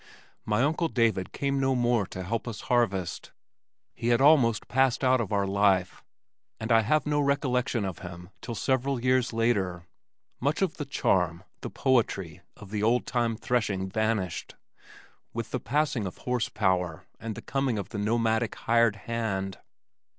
My uncle David came no more to help us harvest. He had almost passed out of our life, and I have no recollection of him till several years later. Much of the charm, the poetry of the old time threshing vanished with the passing of horse power and the coming of the nomadic hired hand.